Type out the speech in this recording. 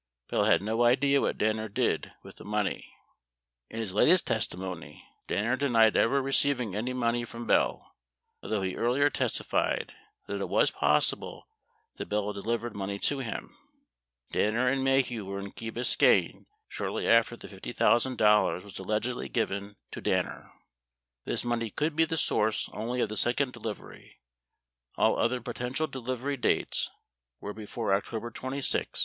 Bell had no idea what Danner did with the money. In his latest testimony, Danner denied ever receiving any money from Bell, 63 although he earlier testified that it was possible that Bell delivered money to him. 64 Danner and Maheu were in Key Biscayne shortly after the $50,000 was allegedly given to Danner. 65 This money could be the source only of the second delivery ; all other potential delivery dates w T ere before October 26, 1970.